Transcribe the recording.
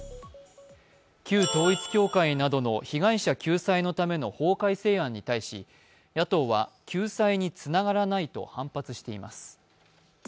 旧統一教会などの被害者救済のための法改正案に対し野党は救済につながらないと反発しています。